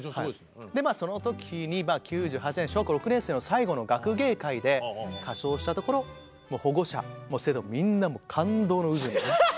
その時に９８年小学校６年生の最後の学芸会で歌唱したところ保護者も生徒もみんなもう感動の渦に。